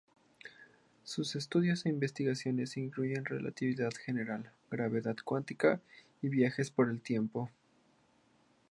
Sus estudios e investigaciones incluyen relatividad general, gravedad cuántica y viajes por el tiempo.